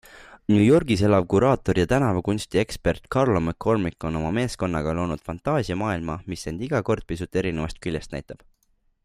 New Yorgis elav kuraator ja tänavakunstiekspert Carlo McCormic on oma meeskonnaga loonud fantaasiamaailma, mis end iga kord pisut erinevast küljest näitab.